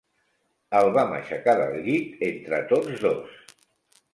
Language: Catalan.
El vam aixecar del llit entre tots dos.